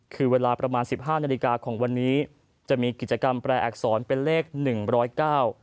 คือเวลาประมาณสิบห้านาฬิกาของวันนี้จะมีกิจกรรมแปรอักษรเป็นเลขหนึ่งร้อยเก้า